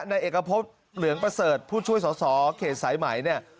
นายเอกพรตเหลืองประเสริฐผู้ช่วยสตโขดสายไหมเนี่ย